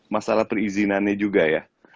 masalah perizinannya juga ya